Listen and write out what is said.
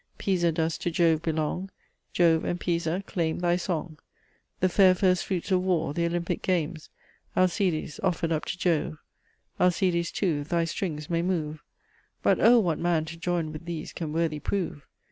Pisa does to Jove belong, Jove and Pisa claim thy song. The fair first fruits of war, th' Olympic games, Alcides, offer'd up to Jove; Alcides, too, thy strings may move, But, oh! what man to join with these can worthy prove?